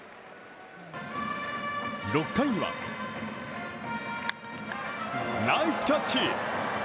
６回にはナイスキャッチ。